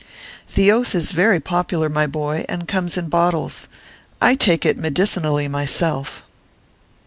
The Oath is very popular, my boy, and comes in bottles. I take it medicinally myself.